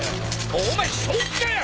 お前正気かよ！？